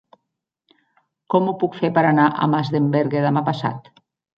Com ho puc fer per anar a Masdenverge demà passat?